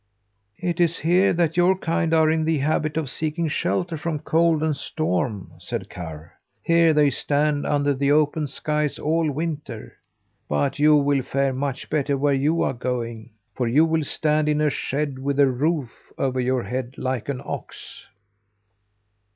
"It is here that your kind are in the habit of seeking shelter from cold and storm," said Karr. "Here they stand under the open skies all winter. But you will fare much better where you are going, for you will stand in a shed, with a roof over your head, like an ox."